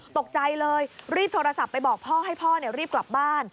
ตกใจเลยรีบโทรศัพท์ไปบอกพ่อให้พ่อรีบกลับบ้าน